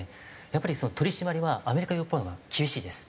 やっぱり取り締まりはアメリカヨーロッパのほうが厳しいです。